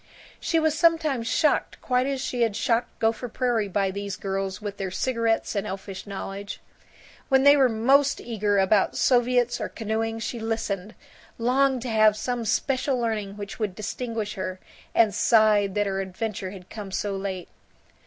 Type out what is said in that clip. She was sometimes shocked quite as she had shocked Gopher Prairie by these girls with their cigarettes and elfish knowledge. When they were most eager about soviets or canoeing, she listened, longed to have some special learning which would distinguish her, and sighed that her adventure had come so late.